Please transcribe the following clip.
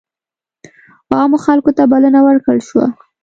عامو خلکو ته بلنه ورکړل شوه.